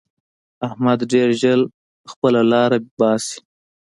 احمد ډېر ژر خپله لاره باسي.